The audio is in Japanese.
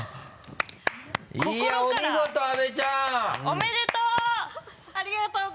おめでとう！